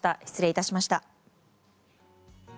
失礼致しました。